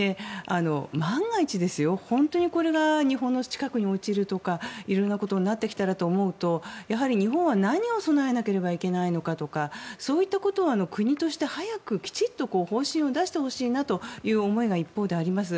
万が一、本当にこれが日本の近くに落ちるとか色んなことになってきたらと思うとやはり日本は何を備えなければいけないのかとかそういったことを国として早くきちんと方針を出してほしいなという思いが一方であります。